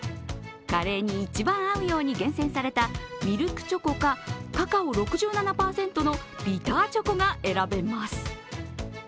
カレーに一番合うように厳選されたミルクチョコか、カカオ６７％のビターチョコが選べます。